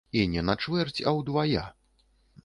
І не на чвэрць, а ўдвая!